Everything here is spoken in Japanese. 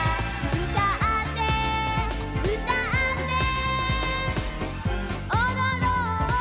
「うたってうたっておどろんぱ！」